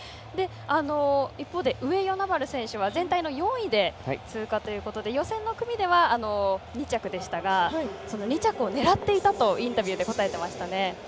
一方で上与那原選手は全体の４位で通過ということで予選の組では、２着でしたが２着を狙っていたとインタビューで答えていましたね。